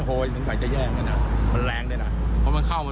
เป็นการรู้สึกก่อนแบบบุดกว่า